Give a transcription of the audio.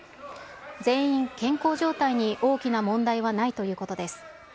全員健康状態に大きな問題はないということです。